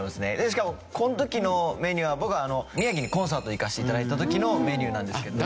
しかもこの時のメニューは僕あの宮城にコンサート行かせて頂いた時のメニューなんですけど。